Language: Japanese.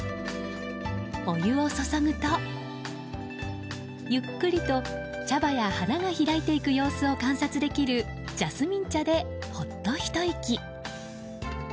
お湯を注ぐと、ゆっくりと茶葉や花が開いていく様子を観察できるジャスミン茶でほっとひと息。